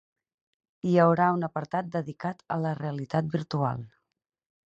Hi haurà un apartat dedicat a la realitat virtual.